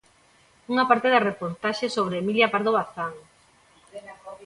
Unha parte da reportaxe sobre Emilia Pardo Bazán.